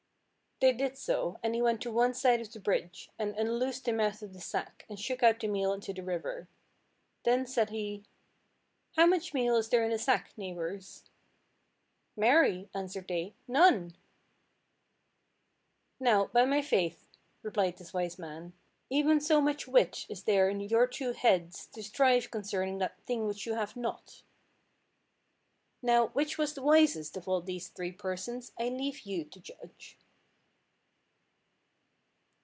They did so, and he went to one side of the bridge, and unloosed the mouth of the sack, and shook out the meal into the river. Then said he— "How much meal is there in the sack, neighbours?" "Marry," answered they, "none." "Now, by my faith," replied this wise man, "even so much wit is there in your two heads, to strive concerning that thing which you have not." Now, which was the wisest of all these three persons I leave you to judge.